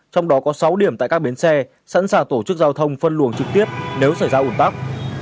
trong đó có sáu điểm tại các bến xe sẵn sàng tổ chức giao thông phân luồng trực tiếp nếu xảy ra ủn tắc